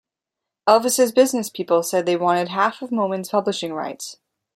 Elvis's business people said they wanted half of Moman's publishing rights.